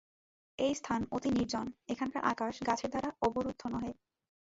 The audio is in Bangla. এই স্থান অতি নির্জন, এখানকার আকাশ গাছের দ্বারা অবরুদ্ধ নহে।